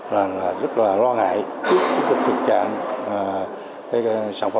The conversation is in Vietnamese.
là rất là lo ngại rất là trực trạng